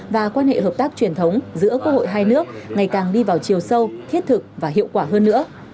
và quan hệ hợp tác truyền thống giữa quốc hội hai nước ngày càng đi vào chiều sâu thiết thực và hiệu quả hơn nữa